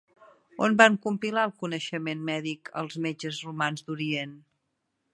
On van compilar el coneixement mèdic els metges romans d'Orient?